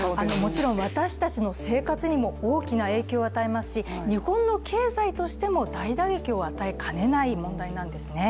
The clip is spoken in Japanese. もちろん私たちの生活にも大きな影響を与えますし日本の経済としても大打撃を与えかねない問題なんですね。